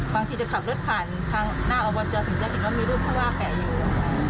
บางทีจะขับรถผ่านทางหน้าออร์บอลเจอร์ถึงจะเห็นว่ามีรูปภาวะแปลกอยู่